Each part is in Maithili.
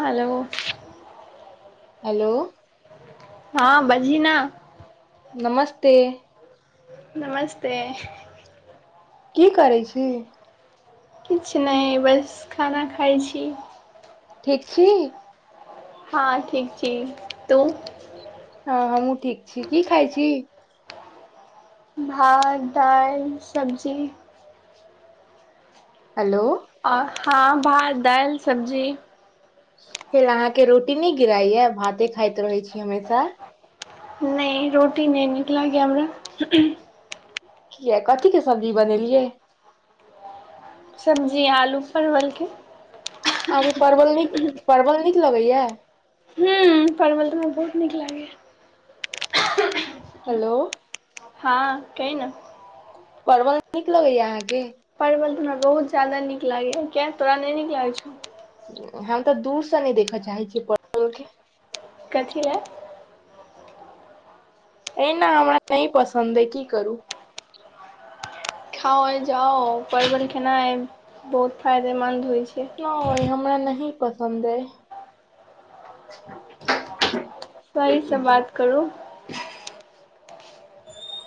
हेलो। [unintelligible] हेलो। [unintelligible] हँ बाजना। [unintelligible] नमस्ते। [unintelligible] [unintelligible] नमस्ते। [unintelligible] की करै छी। [unintelligible] किछु नहि बस खाना खाइ छी। [unintelligible] ठीक छी। [unintelligible] हँ ठीक छी। [unintelligible] दू। [unintelligible] हँ- हँ हम ठीक छी कि खइ छी। [unintelligible] भात दालि सबजी। [unintelligible] हेलो। [unintelligible] आओ हँ भात दालि सब्जी। [unintelligible] फे अहाँके रोटी नहि गिराइया भाते खाइत रहै छी हमेशा। [unintelligible] नहि रोटी नहि निकल यए हमरा। [unintelligible] कए कथीके सब्जी बनेलियै। [unintelligible] सब्जी आलू परवलके। [unintelligible] आगे परबल न- परबल नई। क लगैया। [unintelligible] ह परवल तऽ हमरा बहुत नीक लागैा। [unintelligible] हेलो। [unintelligible] हँ की ने। [unintelligible] परबल नीक लगैया अहाँके। परि ब त। [unintelligible] बहुत जाददा नीक लागे क तोरा नहि नीक लागै छो। हम तऽ दूर से नहि देखऽ चाहै छियै पल के। [unintelligible] कथी लए एहिना हमरा नहि पसन्द अइ की करू। [unintelligible] खाओ जाओ परन खनाा बहुत फायदेमन्द होइ। छै ओ हमरा नहि। [unintelligible] पसन्द ह। [unintelligible] सहीसँ बात करू। [unintelligible]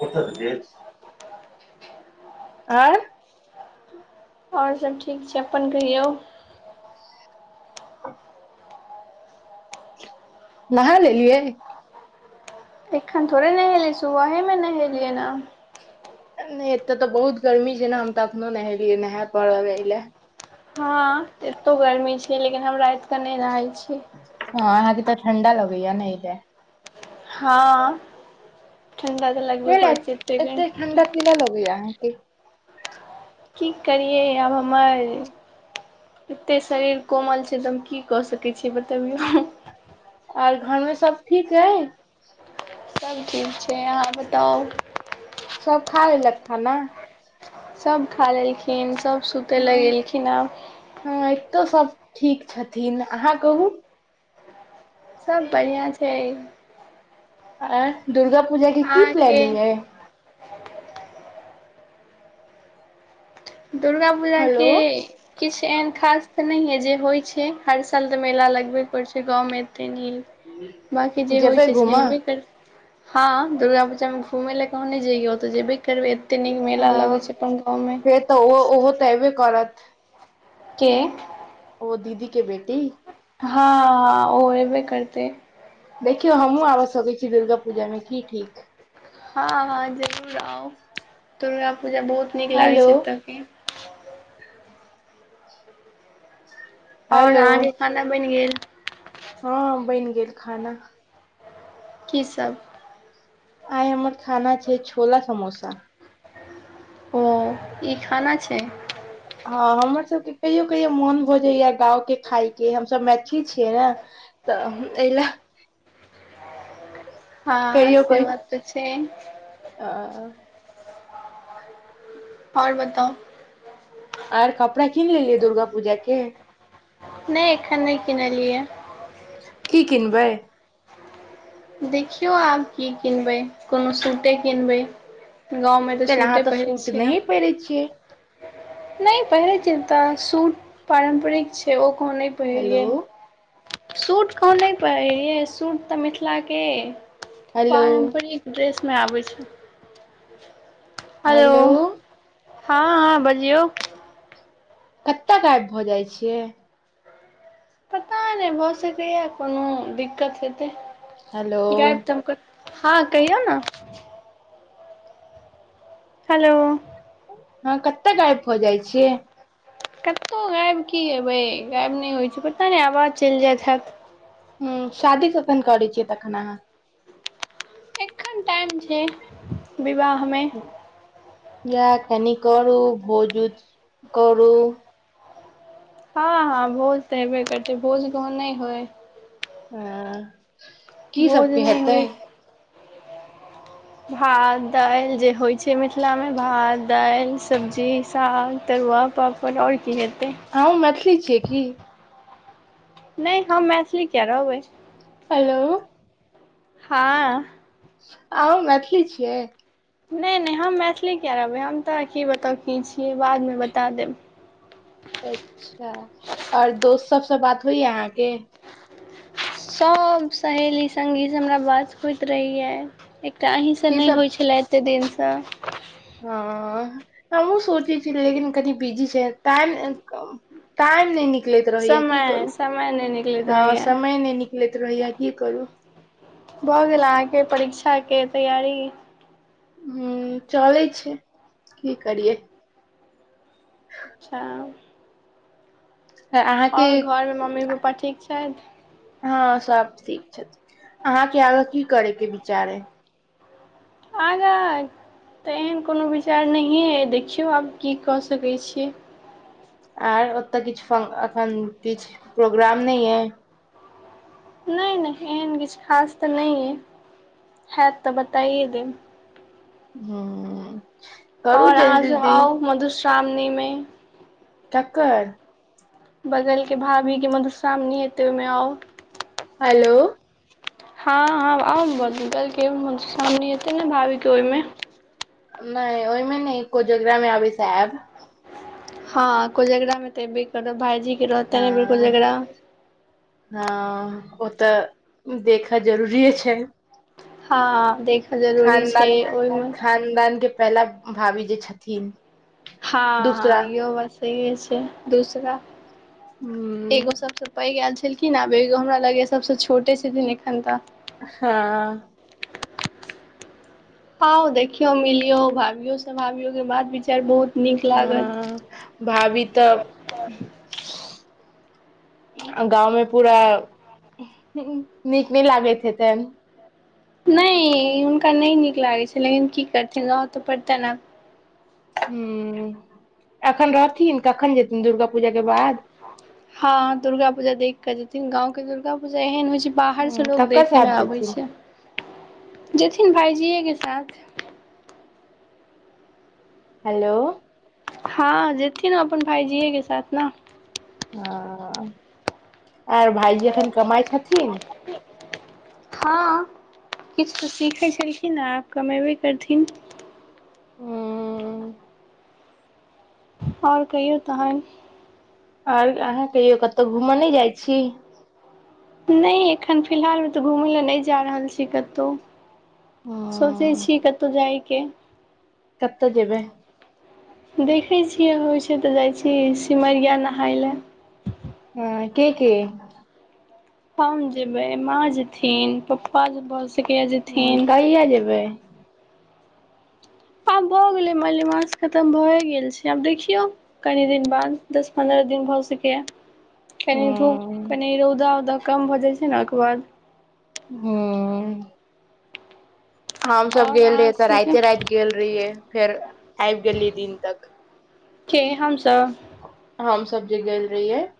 ओठ जे। [unintelligible] आँ। [unintelligible] आओर सभ ठीक छै अपन कहियौ। [unintelligible] नहा लेलियै। [unintelligible] एखन थोड़े नहेले सुब है मे नहेलियै न। [unintelligible] नहि एतय तऽ बहुत गर्मी छै ने हम तऽ एखनो नहेलियै नहाए प रह लए। हँ एतो गर्मी छै लेकिन हमरा। के नहि रहै छी। [unintelligible] ठण्डा लगैय नहि तऽ। [unintelligible] हँ। [unintelligible] तऽ लगबे क करै छै एते गर्मी ठडा -पिला लगैय। अ क। [unintelligible] की करियै आब हमर- एते शरीर कोमल छै तऽ हम की कऽ सकै छियै बतबियौ। र घर मे सब ठीक है। [unintelligible] [unintelligible] सभचीज छै अहाँ बताउ। सब खा ल लक खाना। [unintelligible] सभ खा लेलखिन सभ। [unintelligible] सुतय लए हँ गेलखिन आब। हँ एतौ सब [unintelligible] ठीक छथिन अहाँ कहू। [unintelligible] सभ बढ़िआँ छै। [unintelligible] आ दुर्गा। [unintelligible] पूजा के की अहाँके प्लानिंग अइ। [unintelligible] दुर्गा पूजा हेलो के किछु- एहन खास तऽ नहि य। जे होइ छै हर साल तऽ मेला लगबे पड़ छै गाँव में। [unintelligible] बाँकी जे होइ जेबै छै से घूमऽ हेबे कर हँ दुर्गा पूजामे घुमै लए। क नहि जेऔ तऽ जेबै। [unintelligible] फेर भ एते नीक मेला हँ लगै छै अपन गाँव मे। फेर तऽ [unintelligible] ओहो -ओहो तऽ एबे करत। [unintelligible] [unintelligible] के। [unintelligible] ओ दीदी के बेटी। [unintelligible] हँ [unintelligible] ओ हबे करते। पुजा मे की ठीक छै। हँ पुजा बहुत नीक लागै हेलो छै एतयके। और अहांके खाना बनि गेल? हां बनि गेल खाना। कि सब? आइ हमर खाना छै छोला समोसा। [unintelligible] ओ ई खाना छै। [unintelligible] हँ हमर सभके कहियो कहियो मोन भऽ जाइया गाँवके खाायके हमसभ मैथिली छियै ने तऽ एहि ल। [unintelligible] हँ से बात तऽ छै। [unintelligible] और बताउ। आर कपड़ा कीन लेलियै दुर्गा पूजाके। नै एखन नै किनलियै ये। कि किनबै? देखियौ आब की किनबै, कोनो सुटे किनबै। गाँवमे तऽ आइ काल्हि अहां सूटे त पहिरै सूट नहिये पहिरै छियै। नै पहिरै छियै त, सूट पारम्परिक छै ओ ओ नै पहिरियै। हेलो सूट कहुं नै पहिरियै, सूट त मिथिलाके हेलो पारम्परिक ड्रेस मे आबै छै। हेलो। हां हां बा जियौ। कत गायब भ जाइ छियै? पता नै भ सकैए कोनो दिकत हेतै। हेलो गायब त हम कत हां कहियौ ने। हेलो। हां कत गायब भ जाइ छियै। कतहु गायब कि हेबै, गायब नहि होइ छियै, पता नै आवाज चलि जाइत हैत। हुं, शादी कखन करै छियै तखन अहां? एखन टाइम छै। विवाह मे। बियाह कनि करू भोज उज करू। हां हां, भोज त हेबे करतै भोज कहुं नै होइ। सैह। की भोज सबके नहि हेतै? होइ भात दालि, जे होइ छै मिथिलामे भात दालि सब्जी साग तरुआ पापड़ और की हेतै। अहुं मैथिली छियै की? नहि हम मैथिली किया रहबै। [unintelligible] हेलो। [unintelligible] हँ। [unintelligible] अह मैथिली छियै। [unintelligible] नहि -नहि हम मैथिली कििया रहबै हम तऽ की बताकी छीिय बादमे बता देब। [unintelligible] अच्छा आऔर दोस्त सबसँ बात होइय अहाँके। [unintelligible] सभ सहेली सङ्गीसँ हमरा बात होइत रहैय। [unintelligible] त अहीं से नै होइ छलय। एते दिनसे। हां, हमहुं सोचै छलियै, लेकिन कनि बिजी छै टाइम टाइम नै निक लैत रहैये कि समय करू, समय नहि निकलैत हां रहैए समय नै निकलैत रहैये कि करू? भऽ गेल अहाँके परीक्षाके तैयारी। [unintelligible] ह चलै छै की करियै। [unintelligible] अच्छा। [unintelligible] अहाँके आओर घरमे मम्मी पप्पा ठीक छथि। [unintelligible] हँ सब ठीक छथि अहाँके आगे की करे के विचार हइ। [unintelligible] आगाँ तऽ एहन कोनो विचार नहिए देखियौ आब की कऽ सकैत छियै। [unintelligible] आ। [unintelligible] तऽ किछु एखन। [unintelligible] किछु प्रोग्राम न है। [unintelligible] नई- नई एहन किछु खास तऽ नहि अइ हत तऽ बताइए देब। [unintelligible] हँ। [unintelligible] आओर अहाँ से आउ मधुश्रावनि। सामनीमे। [unintelligible] कक्कर। [unintelligible] बगल के भाभी के मधुश्रावणी हेते ओहिमे आउ। हेलो। [unintelligible] हँ -हँ आउ कहलकै सामने एतै ने भाभीके ओहिमे। [unintelligible] नहि ओहिमे नहि कोजगरा मे आबै से आब। [unintelligible] हँ को झगड़ामे तऽ भी करू भाइजी। हँ -हं। [unintelligible] तऽ देखऽ जरूरीए छै। [unintelligible] हँ देख। [unintelligible] जरूरी छै ओहिमे। [unintelligible] हमरा भाभी जे छथिन। [unintelligible] हँ- दूसरा हँ इहो ब सहए छै दूसरा। [unintelligible] हूं एगो सबसँ पइ क। [unintelligible] खिन आबो हमरा ल सब। [unintelligible] [unintelligible] छोटे से दनेखनता। हँ हँ देखियो मिलियो भभियो सब भावियो के बात विचार बहुत। नीक लागत हँ भाभी तऽ। [unintelligible] गाँवमे पूरा [unintelligible] नीक नहि लागैत हेते। नहि हुनका नहि नीक लागै छै लेकिन की करथिन गाँव तऽ पड़तनि ने। [unintelligible] [unintelligible] ह्म एखन रहथिन कखन जेथिन दुर्गा पूजाके बाद। हँ दुर्गा पूजा देख के जेथिन गाँं के दुर्गा पूजा एहन होइ छै। बाहर से हूं लोग ककर देखे ल साथ आबै जेथिन छै [unintelligible] जेथिन भाय। जए के साथ। [unintelligible] हेलो। [unintelligible] हँ जेती ने अपन भाईजीे के साथ न। [unintelligible] हं। [unintelligible] आर भाइजी एखन कमाइ छथिन। [unintelligible] [unintelligible] हँ किछु तऽ सीखै छलखिनेँ कमेबे करथिन। हूं। [unintelligible] आओर कहिो त है। [unintelligible] आओर अहाँ कहियौ कतहु घूमय नहि जाइ छी। [unintelligible] नहि एखन फिलहालमे तऽ घुमय लए नहि जा रहल छी कतहु। [unintelligible] सोचै हूं छीिय कतहु जायके। [unintelligible] कत्तऽ जेबै। [unintelligible] देखै छियै होइ छै तऽ जाइ छी सिमरिया नहाय लए। [unintelligible] हँ के-के। [unintelligible] हम जेबै माँ जेथिन पप्पा जे बहुत। ह कहिया जेबै। [unintelligible] आब भऽ गेलै मल्लिमास खतम भए गेल छै आब देखियौ कनि दिन बाद दस पन्द्रह दिन भऽ सकैए। [unintelligible] कनी धूप हूं कनी रौदावक। [unintelligible] कम भऽ जाइ छै ने ओहिके बाद। [unintelligible] हँ। [unintelligible] हम सब आओर गेल अहाँ रहियै तऽ सबके राते- राति गेल रहियै फेर। आबि गेलिय दिन तक। के हमसब [unintelligible] हम सबजी गेल रहियै। [unintelligible]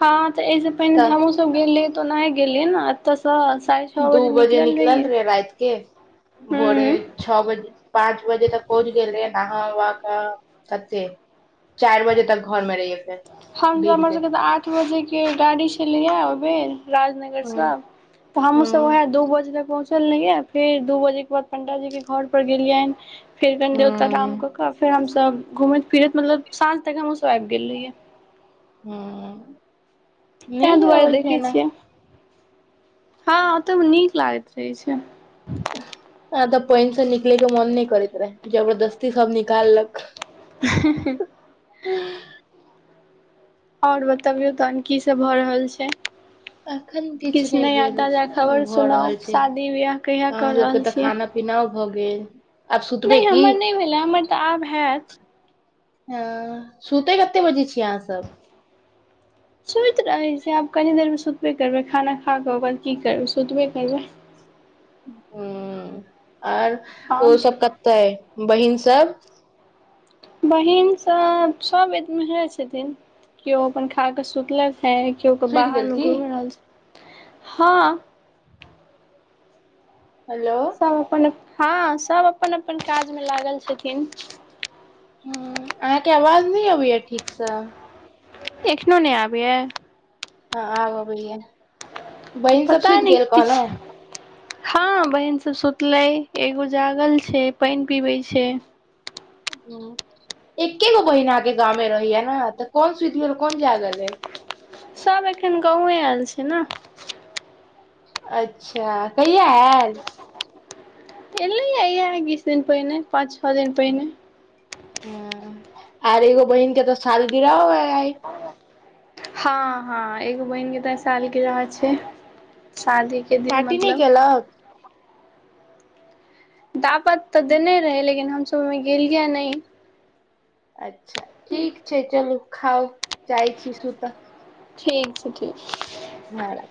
हँ। [unintelligible] तऽ एहिसँ पहिने तऽ हमूसभ गेलियै। [unintelligible] तऽ नहि गेलल ने तस। [unintelligible] दू बजे निकलल रहे राात के [unintelligible] भोरे हूँ छओ बजे पाँच बजे तक पहुँच गेल रहे। नह वा का सते। [unintelligible] [unintelligible] हमस दिन हमर के सबके तऽ आठ बजे के गाड़ी छली। बेर। [unintelligible] राजनगर से हूँ तऽ हमहुं सब हूँ वह दू बजे तक पहु। चललहिै फेर दू बजे के बाद पं्डाजी के घर पर गेलियै। [unintelligible] फेर देवता राम क हूँ क फेर हम। तब घुमैत फिरैत मतलब सांझ तक हमहुं सब आबि गेल रहियै। हुं। तैं दुआरे देखै छियै। हँ ओतय नीक लागैत रहै छै। [unintelligible] आ तऽ पानि से निकलैके मोन नहि करैत रहे जबरदस्ती सब निकाललक। [unintelligible] ह। [unintelligible] और बतबियौ तखन की सब भ रहल छै? अखन किछु नहि नया भेल ताजा खबर भऽ सुनाउ रहल छै शादी वियाह कहिया क अहाँ सबके रहल तऽ छी? खाना पीनाओ भऽ गेल आब सुतबै नै की हमर नै भेले हमर त आब हैत। हां, सुतै कते बजे छियै अहां सब? सुति रहै छियै, आब कनि देरमे सुतबे करबै, खाना खा क ओकर बाद की करबै सुतबे करबै। हुं। आर, आओर ओ सब कत अइ। बहिन सब? बहिन सब, सब एम्हरे छथिन, केओ अपन खा क सुतलैथ हे केओ अपन सुति बाहर गेल मे की घुमि रहल छैथ। हां। हेलो सब अपन हां, सब अपन अपन काजमे लागल छथिन। हुं, अहांके आवाज नहि अबैये ठीकसे। एखनो नै आबैये? हां आब अबैये। बहिन सब सुति गेल कहलहुं। हां, बहिन सब सुतलै, एगो जागल छै पानि पीबै छै। हुं, एके गो बहिन अहांके गाँवमे रहैय ने, त कोन सुतलै कोन जागल अइ? सब अखैन गाँवे आयल छै ने। अच्छा, कहिया आयल? एलैये ये बीस दिन पहिने, पाँच छ दिन पहिने। ह आर एगो बहिन के त सालगिरहो हैत। [unintelligible] हां हां, एगो बहिनके त सालगिरह छै। शादीके दिन पार्टी नै मतलब केलक? दावत त देने रहै लेकिन हमसब ओहिमे गेलियै नहि। अच्छा, ठीक छै चलु। खाउ, जाइ छी सुत। ठीक छै ठीक छै। हुं।